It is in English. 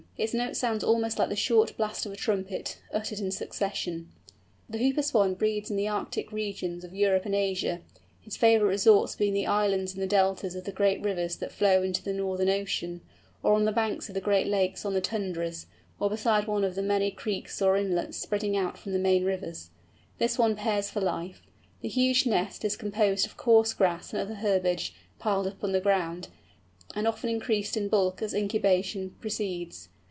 Its note sounds almost like the short blast of a trumpet, uttered in succession. The Hooper Swan breeds in the Arctic regions of Europe and Asia, its favourite resorts being the islands in the deltas of the great rivers that flow into the northern ocean, or on the banks of the great lakes on the tundras, or beside one of the many creeks or inlets spreading out from the main rivers. This Swan pairs for life. The huge nest is composed of coarse grass and other herbage, piled up on the ground, and often increased in bulk as incubation proceeds.